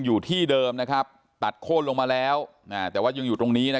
อยู่ที่เดิมตัดโค้นลงมาแล้วแต่ว่ายังอยู่ตรงนี้